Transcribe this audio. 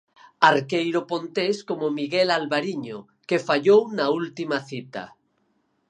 Arqueiro pontés como Miguel Alvariño, que fallou na última cita.